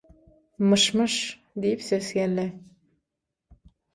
"Myş-Myş" diýip ses geldi.